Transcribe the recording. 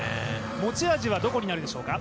持ち味はどこになるでしょうか。